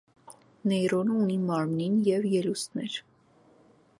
Նեյրոնը ունի մարմին և ելուստներ։